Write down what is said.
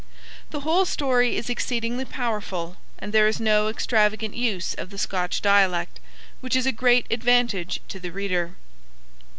The whole story is exceedingly powerful, and there is no extravagant use of the Scotch dialect, which is a great advantage to the reader.